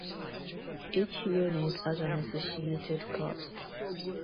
Each unit has an associated cost.